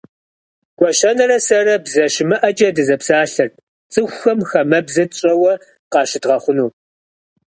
Гуащэнэрэ сэрэ, бзэ щымыӏэкӏэ дызэпсалъэрт, цӏыхухэм хамэбзэ тщӏэуэ къащыдгъэхъуну.